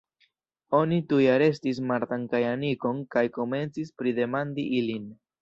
Oni tuj arestis Martan kaj Anikon kaj komencis pridemandi ilin.